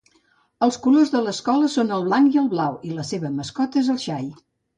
Els colors de l'escola són el blanc i el blau, i la seva mascota és el xai.